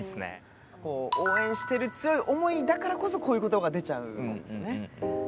応援してる強い思いだからこそこういう言葉が出ちゃうんですね。